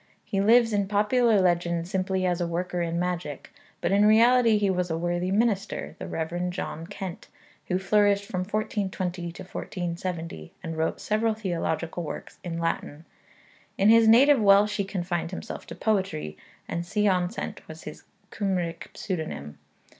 He lives in popular legend simply as a worker in magic, but in reality he was a worthy minister, the Rev. John Kent, who flourished from 1420 to 1470, and wrote several theological works in Latin. In his native Welsh he confined himself to poetry, and Sion Cent was his Cymric pseudonym.